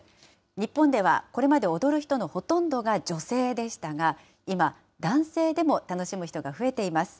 日本では、これまで踊る人のほとんどが女性でしたが、今、男性でも楽しむ人が増えています。